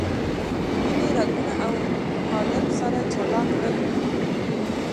د وینې رګونه او حالب سره جلا کړئ.